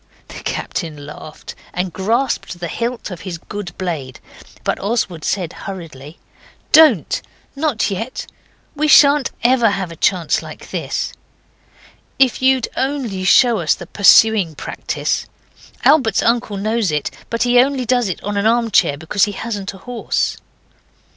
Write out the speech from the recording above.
The captain laughed and grasped the hilt of his good blade. But Oswald said hurriedly 'Don't. Not yet. We shan't ever have a chance like this. If you'd only show us the pursuing practice! Albert's uncle knows it; but he only does it on an armchair, because he hasn't a horse.